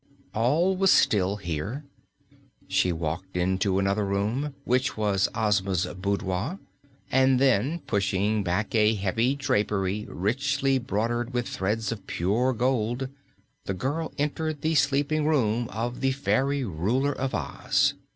All was still here. She walked into another room, which was Ozma's boudoir, and then, pushing back a heavy drapery richly broidered with threads of pure gold, the girl entered the sleeping room of the fairy Ruler of Oz.